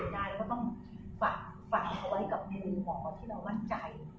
แล้วก็ต้องฝังไว้กับคุณหมอที่เราวั่นใจ